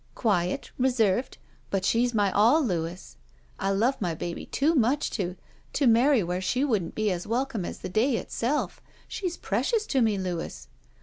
Quiet, reserved. But she's my all, Louis. I love my baby too much to — ^to marry where she wouldn't be as welcome as the day itself. She's precious to me, Louis."